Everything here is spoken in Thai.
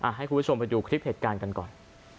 ให้คุณผู้ชมไปดูคลิปเหตุการณ์กันก่อน